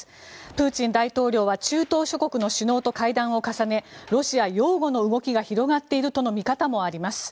プーチン大統領は中東諸国の首脳と会談を重ねロシア擁護の動きが広がっているとの見方もあります。